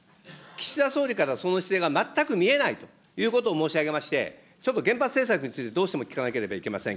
岸田総理からその姿勢が全く見えないということを申し上げまして、ちょっと原発政策について、どうしても聞かなければいけません。